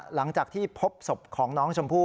หลังจากที่พบศพของน้องชมพู่